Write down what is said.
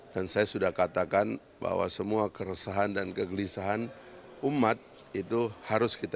dan saya sudah katakan bahwa semua keresahan dan kegelisahan umat itu harus kekumpulan